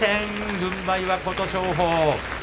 軍配は琴勝峰。